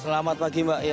selamat pagi mbak ya